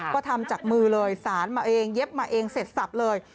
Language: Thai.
ก็ทำจากมือเลยสารมาเองเย็บมาเองเสร็จสับเลย